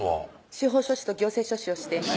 司法書士と行政書士をしています